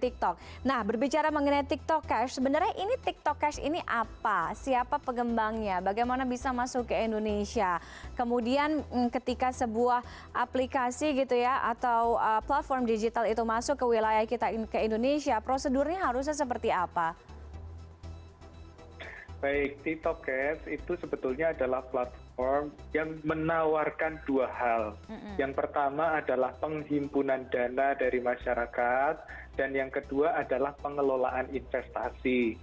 tiktok cash adalah platform yang menawarkan dua hal yang pertama adalah penghimpunan dana dari masyarakat dan yang kedua adalah pengelolaan investasi